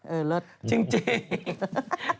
เออเลิศ